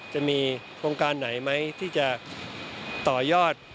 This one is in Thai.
จะมีโครงการไหนไหมที่จะต่อยอด